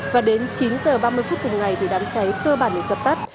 và đến chín giờ ba mươi phút cùng ngày thì đám cháy cơ bản đã dập tắt